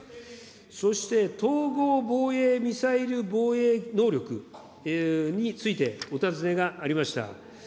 そして、統合防衛ミサイル能力についてお尋ねがありました。